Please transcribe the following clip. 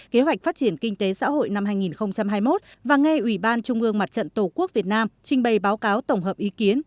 kế hoạch phát triển kinh tế xã hội năm hai nghìn hai mươi một và nghe ủy ban trung ương mặt trận tổ quốc việt nam trình bày báo cáo tổng hợp ý kiến